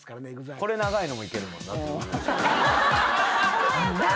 これ長いのもいけるもんな。